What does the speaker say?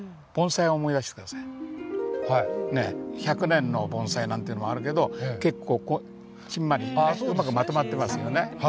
１００年の盆栽なんてのもあるけど結構ちんまりうまくまとまってますよね？